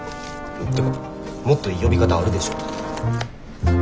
ってかもっといい呼び方あるでしょ。